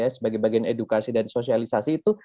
sebagai bagian edukasi dan sosialisasi itu